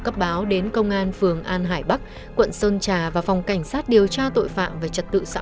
cấp báo đến công an phường an hải bắc quận sơn trà và phòng cảnh sát điều tra tội phạm về trật tự xã